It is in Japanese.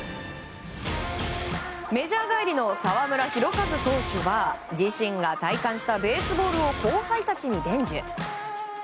メジャー帰りの澤村拓一投手は自身が体感したベースボールを後輩たちに伝授。